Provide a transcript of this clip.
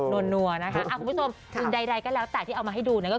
คุณผู้ชมใดก็แล้วแต่ที่เอามาให้ดูก็คือ